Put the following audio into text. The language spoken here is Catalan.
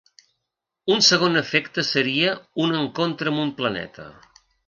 Un segon efecte seria un encontre amb un planeta.